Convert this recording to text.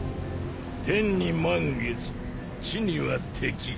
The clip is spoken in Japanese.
天に満月地には敵。